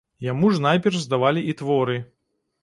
Яму ж найперш здавалі і творы.